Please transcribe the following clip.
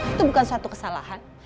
itu bukan suatu kesalahan